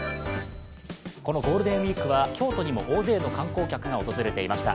このゴールデンウイークは京都にも大勢の観光客が訪れていました。